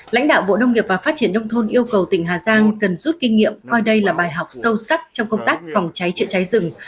lãnh đạo bộ nông nghiệp và phát triển nông thôn yêu cầu tỉnh hà giang cần rút kinh nghiệm coi đây là bài học sâu sắc trong công tác phòng cháy chữa cháy rừng